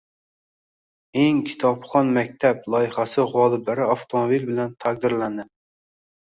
“Eng kitobxon maktab” loyihasi g‘oliblari avtomobil bilan taqdirlanadi